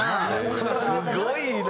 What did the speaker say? すごいな。